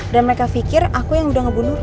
dan mereka pikir aku yang udah ngebunuh roy